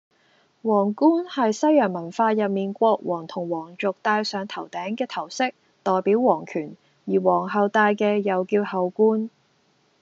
王冠係西洋文化入面國王同王族戴上頭頂嘅頭飾，代表王權。而王后戴嘅又叫后冠